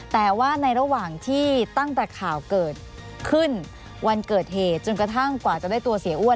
แต่ว่าในระหว่างที่ตั้งแต่ข่าวเกิดขึ้นวันเกิดเหตุจนกระทั่งกว่าจะได้ตัวเสียอ้วน